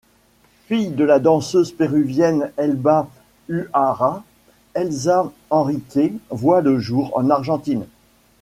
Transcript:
Fille de la danseuse péruvienne Helba Huara, Elsa Henriquez voit le jour en Argentine.